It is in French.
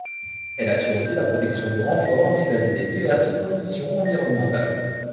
Elle assure aussi la protection du renfort vis-à-vis des diverses conditions environnementales.